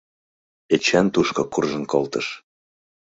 Эчан тушко куржын колтыш.